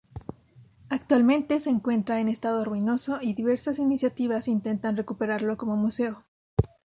Actualmente se encuentra en estado ruinoso y diversas iniciativas intentan recuperarlo como museo.